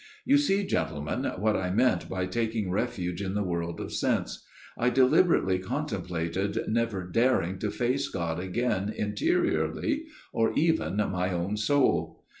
" You see, gentlemen, what I meant by taking refuge in the world of sense. I deliberately contemplated never daring to face God again interiorly, or even my own soul.